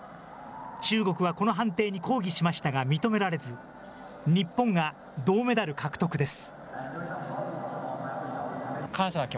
中国はこの判定に抗議しましたが、認められず、日本が銅メダル獲得です。